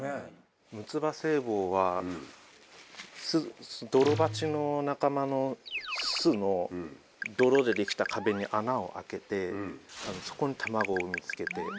ムツバセイボウはドロバチの仲間の巣の泥で出来た壁に穴を開けてそこに卵を産みつけて。